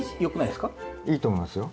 いいと思いますよ。